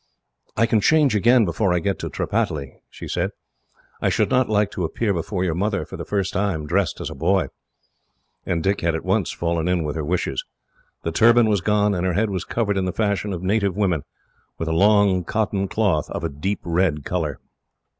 "I can change again, before I get to Tripataly," she said. "I should not like to appear before your mother, for the first time, dressed as a boy." And Dick had at once fallen in with her wishes. The turban was gone, and her head was covered in the fashion of native women, with a long cotton cloth of a deep red colour.